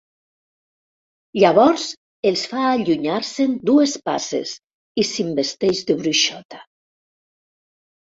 Llavors els fa allunyar-se'n dues passes i s'investeix de bruixota.